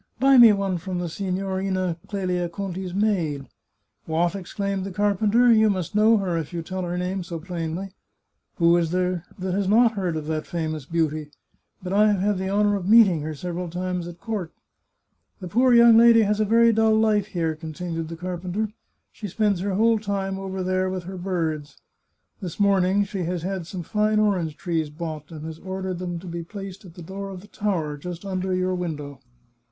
Buy me one from the Signorina Clelia Conti's maid." " What !" exclaimed the carpenter ;" you must know her, if you tell her name so plainly." 331 The Chartreuse of Parma " Who is there that has not heard of that famous beauty ? But I have had the honour of meeting her several times at court." " The poor young lady has a very dull life here," con tinued the carpenter. " She spends her whole time over there with her birds. This morning she has had some fine orange trees bought, and has ordered them to be placed at the door of the tower, just under your window.